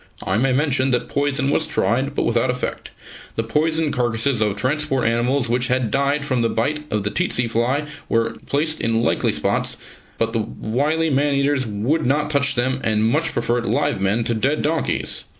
(I may mention that poison was tried, but without effect. The poisoned carcases of transport animals which had died from the bite of the tsetse fly were placed in likely spots, but the wily man eaters would not touch them, and much preferred live men to dead donkeys.)